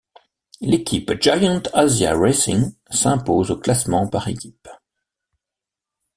L'équipe Giant Asia Racing s'impose au classement par équipes.